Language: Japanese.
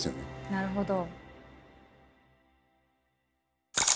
なるほど。